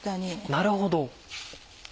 なるほど。